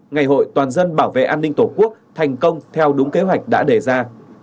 ngày hội toàn dân bảo vệ an ninh tổ quốc thành công theo đúng kế hoạch đã đề ra